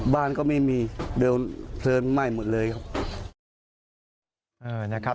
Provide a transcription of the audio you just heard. บ้านก็ไม่มีเดี๋ยวเพลิงไหม้หมดเลยครับ